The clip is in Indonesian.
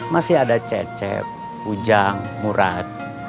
masih ada cecep ujang murad